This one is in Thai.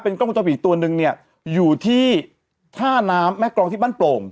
กล้องวงจรปิดอีกตัวนึงเนี่ยอยู่ที่ท่าน้ำแม่กรองที่บ้านโปร่ง